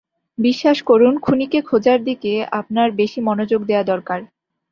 বিশ্বাস করুন, খুনিকে খোঁজার দিকে আপনার বেশি মনোযোগ দেয়া দরকার।